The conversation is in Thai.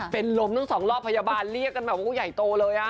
เป็นลมทั้งสองรอบพยาบาลเรียกกันแบบว่าใหญ่โตเลย